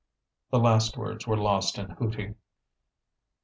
The last words were lost in hooting.